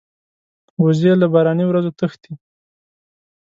وزې له باراني ورځو تښتي